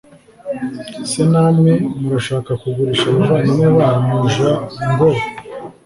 se namwe murashaka kugurisha abavandimwe banyu j ngo